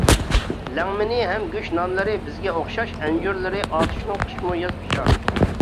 لەڭمىنى ھەم گۆش نانلىرى بىزگە ئوخشاش، ئەنجۈرلىرى ئاتۇشنىڭ قىشمۇ ياز پىشار.